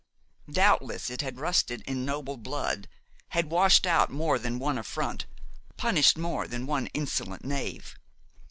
Doubtless it had rusted in noble blood, had washed out more than one affront, punished more than one insolent knave.